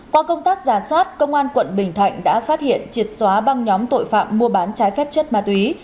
qua công tác giả soát công an tp hcm đã phát hiện triệt xóa băng nhóm tội phạm mua bán trái phép chất ma túy